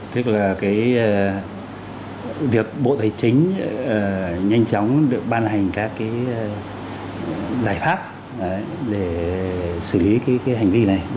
tức là cái việc bộ thầy chính nhanh chóng được ban hành các cái giải pháp để xử lý cái hành vi này